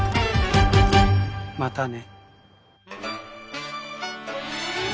またね。